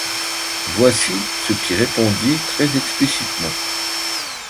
Voici ce qu’il répondit très explicitement.